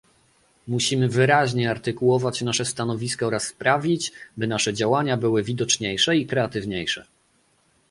Musimy wyraźniej artykułować nasze stanowiska oraz sprawić, by nasze działania były widoczniejsze i kreatywniejsze